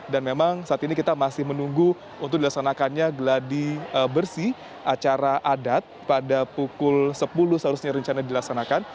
dan memang saat ini kita masih menunggu untuk dilaksanakannya geladi bersih acara adat pada pukul sepuluh seharusnya rencana dilaksanakan